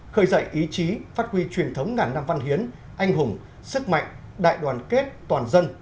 khởi dậy ý chí phát huy truyền thống ngàn năm văn hiến anh hùng sức mạnh đại đoàn kết toàn dân